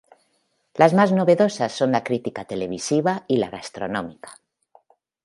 Las más novedosas son la crítica televisiva y la gastronómica.